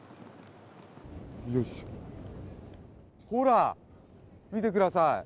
ほら、見てください。